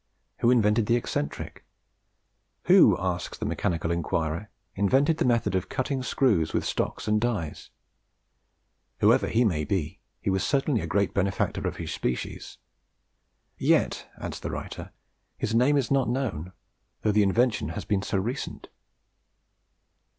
Who invented the eccentric? Who, asks a mechanical inquirer, "invented the method of cutting screws with stocks and dies? Whoever he might be, he was certainly a great benefactor of his species. Yet (adds the writer) his name is not known, though the invention has been so recent."